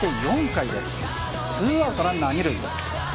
４回です、ツーアウト、ランナー二塁。